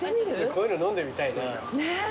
こういうの飲んでみたいな。